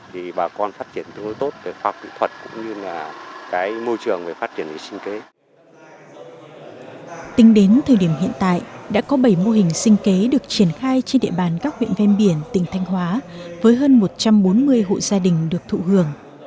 tính đến thời điểm hiện tại đã có bảy mô hình sinh kế được triển khai trên địa bàn các huyện ven biển tỉnh thanh hóa với hơn một trăm bốn mươi hộ gia đình được thụ hưởng